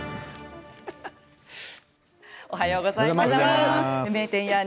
おはようございます。